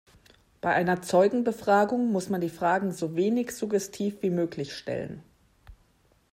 Bei einer Zeugenbefragung muss man die Fragen so wenig suggestiv wie möglich stellen.